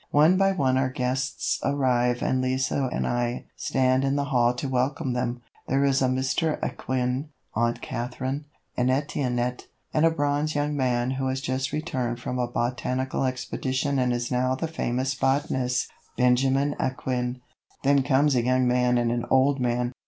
One by one our guests arrive and Lise and I stand in the hall to welcome them. There is Mr. Acquin, Aunt Catherine and Etiennette, and a bronze young man who has just returned from a botanical expedition and is now the famous botanist Benjamin Acquin. Then comes a young man and an old man.